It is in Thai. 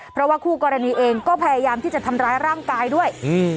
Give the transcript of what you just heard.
เพราะว่าคู่กรณีเองก็พยายามที่จะทำร้ายร่างกายด้วยอืม